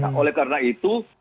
nah oleh karena itu